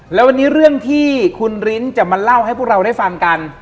แล้ววันนี้เรื่องที่คุณริ้นจะมาเล่าให้พวกเราได้ฟังกัน